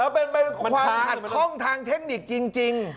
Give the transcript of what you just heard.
เป็นความขัดข้องทางเทคนิคจริง